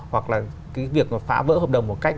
hoặc là việc phá vỡ hợp đồng một cách